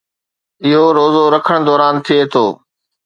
اهو روزو رکڻ دوران ٿئي ٿو